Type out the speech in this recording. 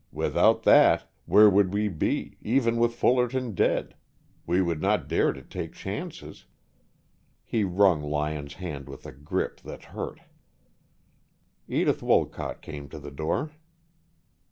Without that, where would we be, even with Fullerton dead? We would not dare to take chances." He wrung Lyon's hand with a grip that hurt. Edith Wolcott came to the door.